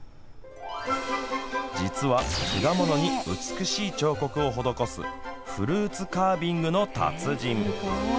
実は、果物に美しい彫刻を施すフルーツカービングの達人。